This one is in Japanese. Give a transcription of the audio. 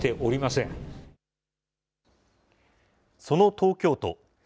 その東京都。